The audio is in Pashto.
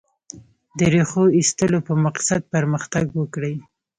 د ریښو ایستلو په مقصد پرمختګ وکړي.